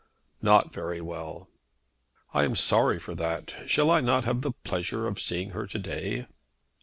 "Not very well." "I am sorry for that. Shall I not have the pleasure of seeing her to day?"